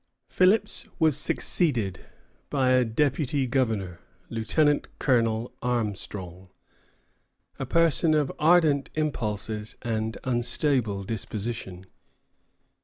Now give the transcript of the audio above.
Philipps was succeeded by a deputy governor, Lieutenant Colonel Armstrong, a person of ardent impulses and unstable disposition.